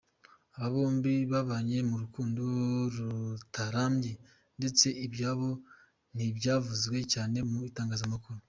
Aba bombi babanye mu rukundo rutarambye ndetse ibyabo ntibyavuzwe cyane mu itangazamakuru.